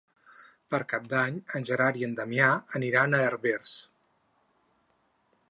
Per Cap d'Any en Gerard i en Damià aniran a Herbers.